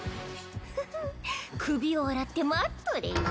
フフ首を洗って待っとれよ。